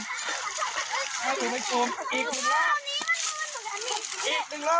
ขอยมาให้ผมเป็นกลมให้ผมเป็นกลมอีกอีกรอบ